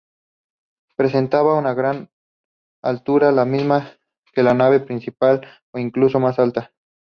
Presentaba una gran altura, la misma que la nave principal o incluso más alta.